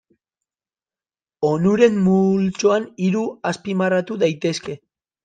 Onuren multzoan hiru azpimarratu daitezke.